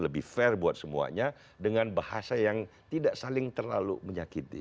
lebih fair buat semuanya dengan bahasa yang tidak saling terlalu menyakiti